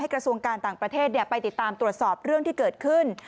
กระทรวงการต่างประเทศไปติดตามตรวจสอบเรื่องที่เกิดขึ้น